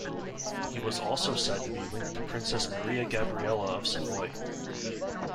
He was also said to be linked to Princess Maria Gabriella of Savoy.